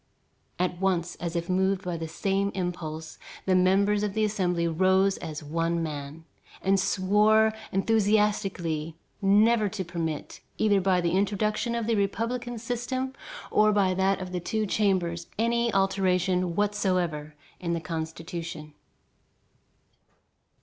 At once, as if moved by the same impulse, the members of the Assembly rose as one man, and swore enthusiastically never to permit, either by the introduction of the republican system or by that of the Two Chambers, any alteration whatsoever in the Constitution.